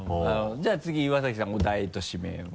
じゃあ次岩崎さんお題と指名を。